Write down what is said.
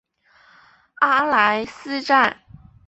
阿莱斯站。